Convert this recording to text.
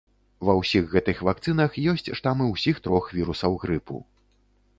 Ва ўсіх гэтых вакцынах ёсць штамы ўсіх трох вірусаў грыпу.